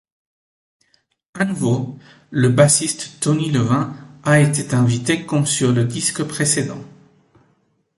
À nouveau, le bassiste Tony Levin a été invité comme sur le disque précédent.